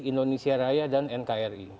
indonesia raya dan nkri